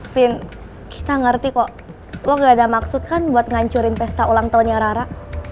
vin kita ngerti kok lo gak ada maksud kan buat ngancurin pesta ulang tahunnya rara